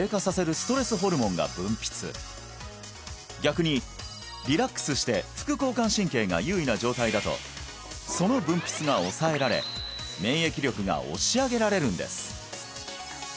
ストレスホルモンが分泌逆にリラックスして副交感神経が優位な状態だとその分泌が抑えられ免疫力が押し上げられるんです